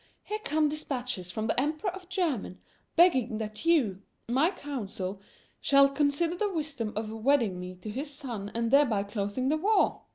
Here come dispatches from the Emperor of Germany begging that you, my council, shall consider the wisdom of wedding me to his son and thereby closing the war!